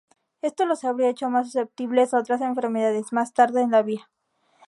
Esto los habría hecho más susceptibles a otras enfermedades más tarde en la vida.